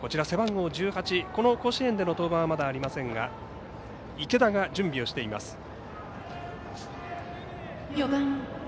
背番号１８、甲子園での登板はまだありませんが池田が準備をしています。